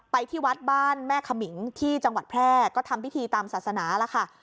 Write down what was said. ที่วัดบ้านแม่ขมิงที่จังหวัดแพร่ก็ทำพิธีตามศาสนาแล้วค่ะ